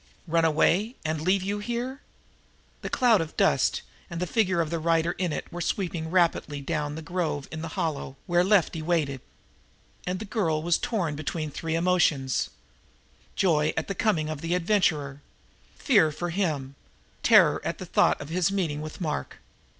"Run away and leave you here?" The dust cloud and the figure of the rider in it were sweeping rapidly down on the grove in the hollow, where Lefty waited. And the girl was torn between three emotions: Joy at the coming of the adventurer, fear for him, terror at the thought of his meeting with Mark.